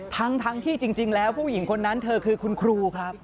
ทั้งที่จริงแล้วผู้หญิงคนนั้นเธอคือคุณครูครับ